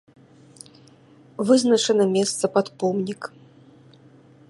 Вызначана месца пад помнік.